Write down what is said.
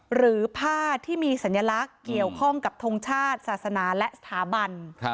หรือผ้าที่มีสัญลักษณ์เกี่ยวข้องกับทงชาติศาสนาและสถาบัน